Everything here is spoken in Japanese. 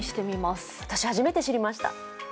私、初めて知りました。